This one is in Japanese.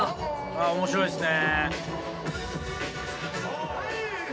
あ面白いですね。